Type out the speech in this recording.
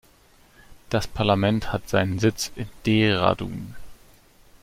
Das Parlament hat seinen Sitz in Dehradun.